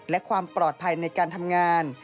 และความปลอดภัยในการทำงาน